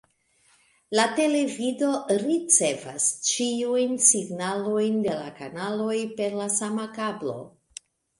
La televido ricevas ĉiujn signalojn de la kanaloj per la sama kablo.